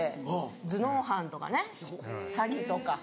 頭脳犯とかね詐欺とか。